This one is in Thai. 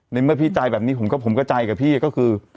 ในเมื่อพี่ใจแบบนี้ผมก็ใจกับพี่ก็คือ